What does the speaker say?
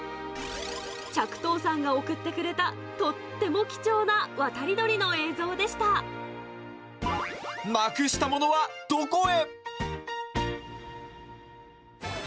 着藤さんが送ってくれた、とっても貴重な渡り鳥の映像でしなくしたものはどこへ？